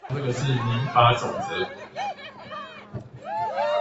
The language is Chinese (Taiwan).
民法總則